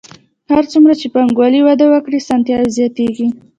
هر څومره چې پانګوالي وده وکړي اسانتیاوې زیاتېږي